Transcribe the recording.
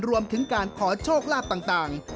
รวมถึงการขอโชคลาภต่าง